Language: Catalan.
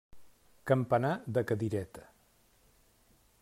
Campanar de cadireta.